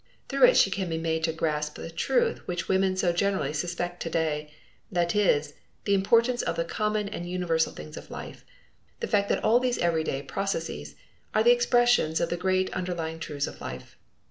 Through it she can be made to grasp the truth which women so generally suspect to day; that is, the importance of the common and universal things of life; the fact that all these everyday processes are the expressions of the great underlying truths of life.